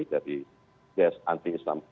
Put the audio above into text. dari des anti islam